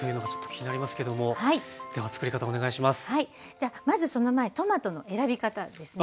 じゃあまずその前にトマトの選び方ですね。